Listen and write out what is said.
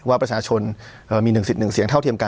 ว่าประชาชนมี๑สิทธิ์๑เสียงเท่าเทียมกัน